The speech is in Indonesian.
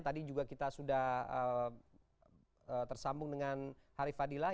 tadi juga kita sudah tersambung dengan harif fadilah